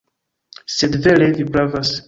Sed vere Vi pravas.